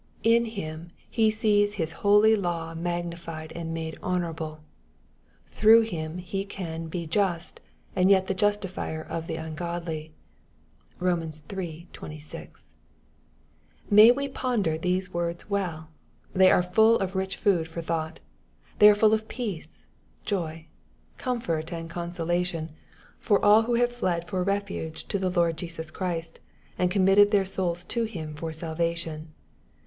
In Him He sees His holy " law mag nified and made honorable." Through Him He can " be just, and yet the justifierof the ungodly." (Bom. iii. 26.) May we ponder these words well 1 They are full of rich food for thought. They are full of peace, joy, com«« ibrt and consolation^ for all who have fled for refuge to 24 EXPOSITOBT THOUaHTfl. the Lord Jesus Christ, and committed their souls to Him for salvation.